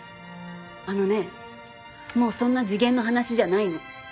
あのねもうそんな次元の話じゃないの。